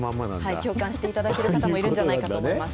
共感していただける方もいるんじゃないかと思います。